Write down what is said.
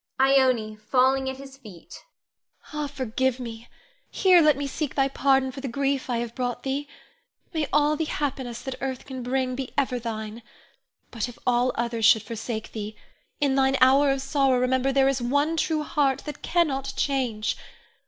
_] Ione [falling at his feet]. Ah, forgive me, here let me seek thy pardon for the grief I have brought thee. May all the happiness that earth can bring be ever thine. But, if all others should forsake thee, in thine hour of sorrow remember there is one true heart that cannot change.